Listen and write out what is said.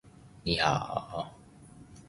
提供白話說明